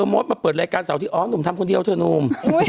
มดมาเปิดรายการเสาร์ที่อ๋อหนุ่มทำคนเดียวเถอะหนุ่ม